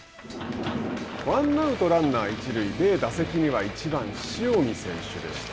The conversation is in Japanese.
ワンアウト、ランナー一塁で打席には、１番塩見選手でした。